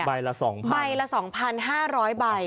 ใบละ๒ใบละ๒๕๐๐ใบ